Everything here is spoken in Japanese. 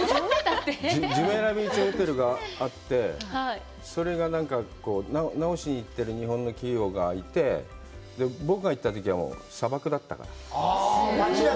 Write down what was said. ジュメイラビーチホテルがあって、それが何か直しにいってる日本の企業がいて、僕が行ったときは砂漠だったから。